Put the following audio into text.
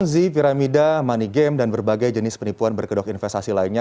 gizi piramida money game dan berbagai jenis penipuan berkedok investasi lainnya